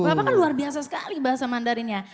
bapak kan luar biasa sekali bahasa mandarinnya